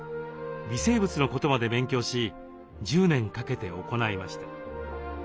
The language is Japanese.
微生物のことまで勉強し１０年かけて行いました。